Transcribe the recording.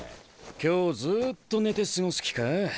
今日ずっと寝て過ごす気か？